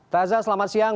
taza selamat siang